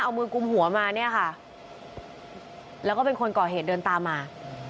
เอามือกุมหัวมาเนี่ยค่ะแล้วก็เป็นคนก่อเหตุเดินตามมา